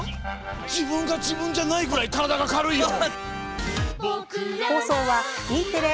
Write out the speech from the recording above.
自分が自分じゃないくらい体が軽いよ。